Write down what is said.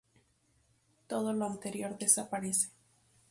Todo lo anterior desaparece.